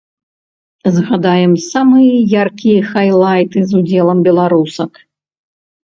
Згадаем самыя яркія хайлайты з удзелам беларусак.